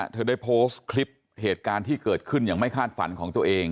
เธอได้โพสต์คลิปเหตุการณ์ที่เกิดขึ้นอย่างไม่คาดฝันของตัวเอง